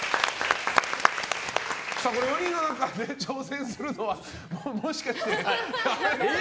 ４人の中から挑戦するのはもしかして。